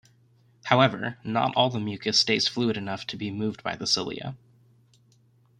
However, not all the mucus stays fluid enough to be moved by the cilia.